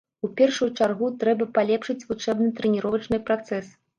У першую чаргу, трэба палепшыць вучэбна-трэніровачны працэс.